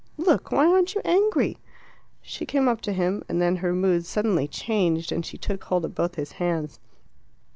Look, why aren't you angry?" She came up to him, and then her mood suddenly changed, and she took hold of both his hands.